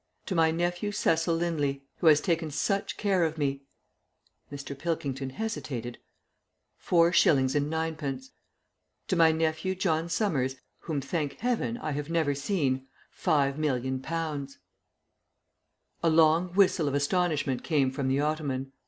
"to my nephew Cecil Linley, who has taken such care of me" Mr. Pilkington hesitated "four shillings and ninepence; to my nephew, John Summers, whom, thank Heaven, I have never seen, five million pounds " A long whistle of astonishment came from the ottoman.